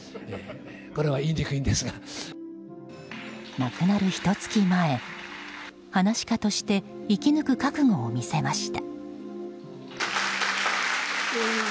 亡くなるひと月前、噺家として生き抜く覚悟を見せました。